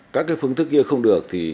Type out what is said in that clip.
các cái phương thức kia không được thì